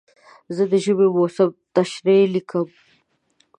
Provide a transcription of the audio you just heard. زه د ژمي موسم تشریح لیکم.